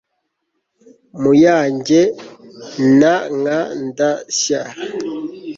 muyange na nkandanshya